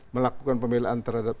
melakukan pemelaan terhadap